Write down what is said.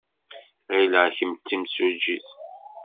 Ɣileɣ kemm d timsujjit.